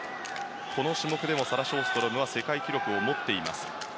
この種目でもサラ・ショーストロムは世界記録を持っています。